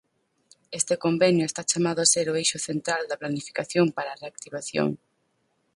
Este convenio está chamado a ser o eixo central da planificación para a reactivación.